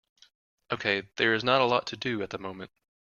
Okay, there is not a lot to do at the moment.